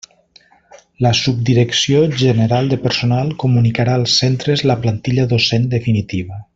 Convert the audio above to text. La Subdirecció General de Personal comunicarà als centres la plantilla docent definitiva.